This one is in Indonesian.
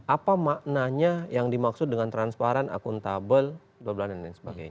apa maknanya yang dimaksud dengan transparan akuntabel dll